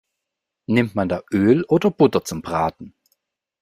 Nimmt man da Öl oder Butter zum Braten?